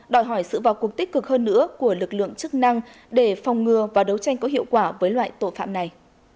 đòi hỏi sự vào cuộc tích cực hơn nữa của lực lượng chức năng để phòng ngừa và đấu tranh có hiệu quả với loại tội phạm này